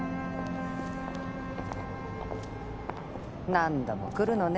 何度も来るのね